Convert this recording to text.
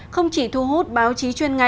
không chỉ thu hút báo chí